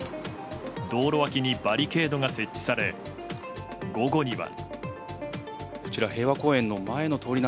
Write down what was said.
道路わきにバリケードが設置され午後には。